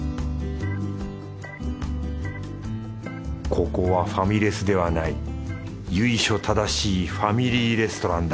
ここはファミレスではない由緒正しいファミリーレストランだ